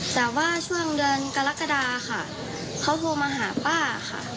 แต่ว่าช่วงเดือนกรกฎาค่ะเขาโทรมาหาป้าค่ะ